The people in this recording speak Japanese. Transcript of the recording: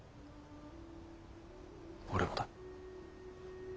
俺もだ。